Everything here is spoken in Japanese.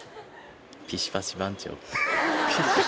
ピシパシ番長。